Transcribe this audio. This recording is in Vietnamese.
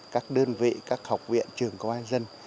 các đơn vị các học viện trường công an dân